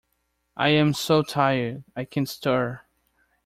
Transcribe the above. I'm so tired, I can't stir!